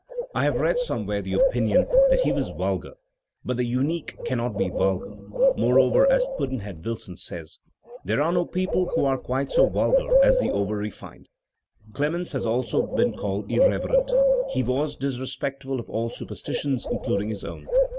I have read somewhere the opinion that he was vulgar, but the unique cannot be vulgar; moreover, as Pudd'nhead Wilson says, "There are no people who are quite so vulgar as the over refined." Clemens has also been called irreverent. He was disrespectful of all super stitions, including his own.